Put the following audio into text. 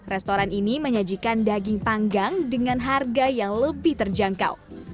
restoran ini menyajikan daging panggang dengan harga yang lebih terjangkau